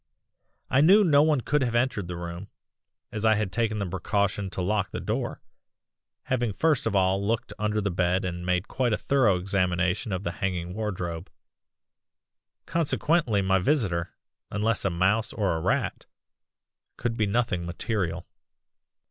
"I knew no one could have entered the room, as I had taken the precaution to lock the door, having first of all looked under the bed and made a thorough examination of the hanging wardrobe. Consequently my visitor, unless a mouse or a rat, could be nothing material.